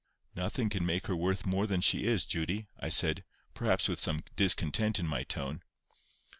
"Nothing can make her worth more than she is, Judy," I said, perhaps with some discontent in my tone.